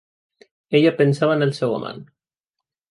Ella pensava en el seu amant.